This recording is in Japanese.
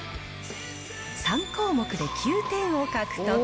３項目で９点を獲得。